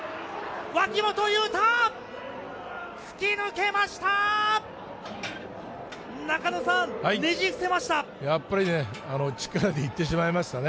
脇本雄太、突き抜けました。